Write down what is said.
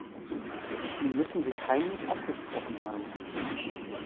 Die müssen sich heimlich abgesprochen haben.